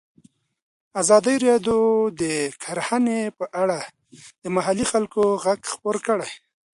ازادي راډیو د کرهنه په اړه د محلي خلکو غږ خپور کړی.